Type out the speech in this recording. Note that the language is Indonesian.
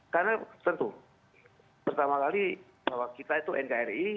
karena tentu pertama kali bahwa kita itu nkri